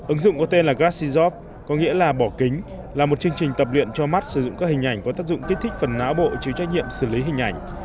ứng dụng có tên là gassizov có nghĩa là bỏ kính là một chương trình tập luyện cho mắt sử dụng các hình ảnh có tác dụng kích thích phần não bộ chịu trách nhiệm xử lý hình ảnh